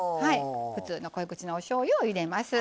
普通の濃い口のおしょうゆを入れます。